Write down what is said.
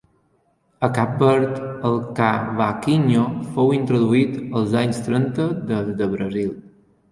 A Cap Verd, el cavaquinho fou introduït els anys trenta des de Brasil.